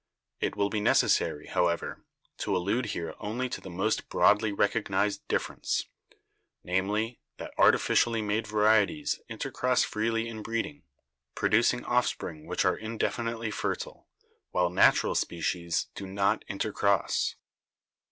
It will be necessary, however, to allude here only to the most broadly recog nised difference, namely, that artificially made varieties in tercross freely in breeding, producing offspring which are indefinitely fertile, while natural species do not intercross.